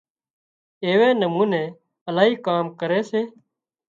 ايوي نموني الاهي ڪام ڪري سي